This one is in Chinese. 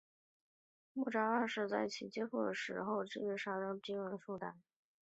慕扎法沙二世在其父阿拉乌丁二世遭亚齐人杀死后继任苏丹。